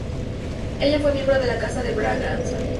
Ella fue miembro de la Casa de Braganza.